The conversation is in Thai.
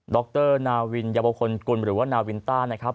รนาวินยาวพลกุลหรือว่านาวินต้านะครับ